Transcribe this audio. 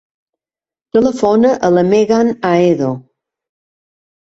Telefona a la Megan Ahedo.